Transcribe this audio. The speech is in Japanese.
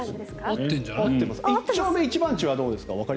一丁目一番地はどうですか？